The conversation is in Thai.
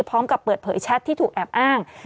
พร้อมกับเปิดเผยแชทที่ถูกแอบอ้าง